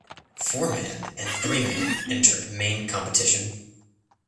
Four man and three man entered main competition.